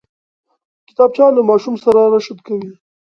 کتابچه له ماشوم سره رشد کوي